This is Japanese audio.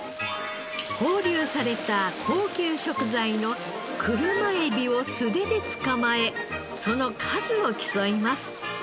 放流された高級食材の車エビを素手で捕まえその数を競います。